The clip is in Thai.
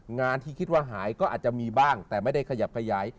งานที่คิดว่าหายก็อาจจะมีบ้างแต่ไม่ได้ขยับขยาย